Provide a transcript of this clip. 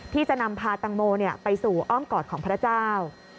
ที่จะนำพาตังโมไปสู่อ้อมกอดของพระเจ้า